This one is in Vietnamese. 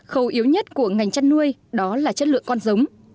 khâu yếu nhất của ngành chăn nuôi đó là chất lượng con giống